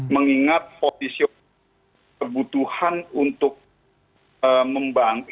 mengingat posisi kebutuhan untuk membangun